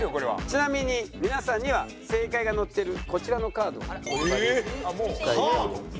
ちなみに皆さんには正解が載ってるこちらのカードをお配りしたいと思います。